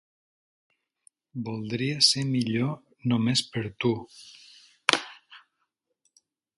Voldria ser millor només per tu.